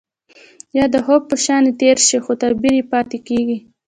يا د خوب په شانې تير شي خو تعبير يې پاتې کيږي.